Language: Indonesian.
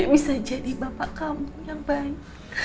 bisa jadi bapak kamu yang baik